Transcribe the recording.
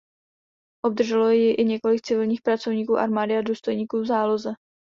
Obdrželo ji i několik civilních pracovníků armády a důstojníků v záloze.